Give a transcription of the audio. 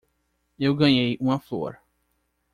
Eu ganhei uma flor.